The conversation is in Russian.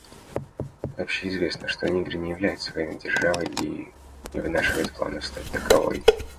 Общеизвестно, что Нигер не является военной державой и не вынашивает планов стать таковой.